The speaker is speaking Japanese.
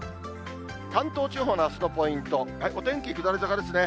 関東地方のあすのポイント、お天気下り坂ですね。